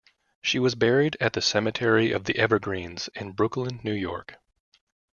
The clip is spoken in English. She was buried at the Cemetery of the Evergreens in Brooklyn, New York.